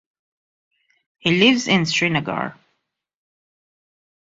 He lives in Srinagar.